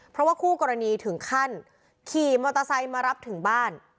เพราะว่าคู่กรณีถึงขั้นขี่มอเตอร์ไซค์มารับถึงบ้าน